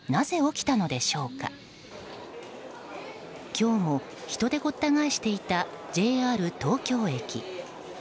今日も人でごった返していたＪＲ東京駅。